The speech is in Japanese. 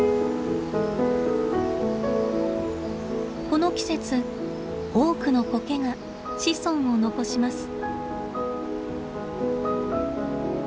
この季節多くのコケが子孫を残します。